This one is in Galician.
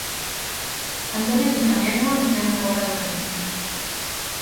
Antonio Guillán Hermo naceu na Pobra do Caramiñal.